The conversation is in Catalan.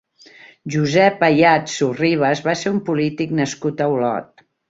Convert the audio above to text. Josep Ayats Surribas va ser un polític nascut a Olot.